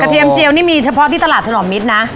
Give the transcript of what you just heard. สูตรเด็ดคืออะไรฮะทางร้าน